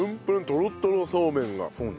とろとろそうめんが。